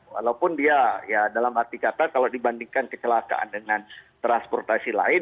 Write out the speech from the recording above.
walaupun dia ya dalam arti kata kalau dibandingkan kecelakaan dengan transportasi lain